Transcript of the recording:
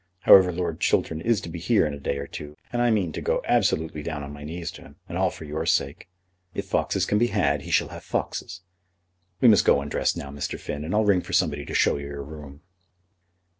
However, Lord Chiltern is to be here in a day or two, and I mean to go absolutely down on my knees to him, and all for your sake. If foxes can be had, he shall have foxes. We must go and dress now, Mr. Finn, and I'll ring for somebody to show you your room."